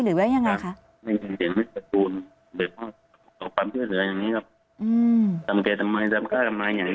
หรือว่ายังไงค่ะได้ยินเสียงแม่ตะโกนเดี๋ยวพ่อเอาความเชื่อเสียอย่างนี้